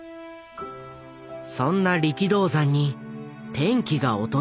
そんな力道山に転機が訪れる。